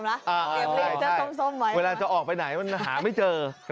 เตรียมเลขเสื้อส้มไว้เวลาจะออกไปไหนมันหาไม่เจอ